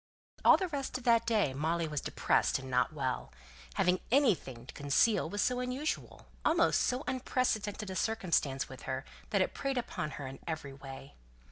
All the rest of that day Molly was depressed and not well. Having anything to conceal was so unusual almost so unprecedented a circumstance with her that it preyed upon her in every way.